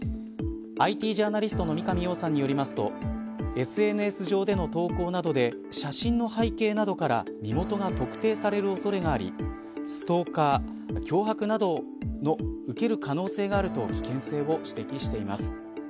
ＩＴジャーナリストの三上洋さんによりますとＳＮＳ上での投稿などで写真の背景などから身元が特定される恐れがありストーカー、脅迫などの受ける可能性があると危険性を指摘しています。